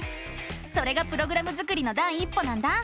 それがプログラム作りの第一歩なんだ！